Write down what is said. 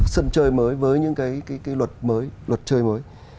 sân chơi mới với những cái luật mới luật chơi mới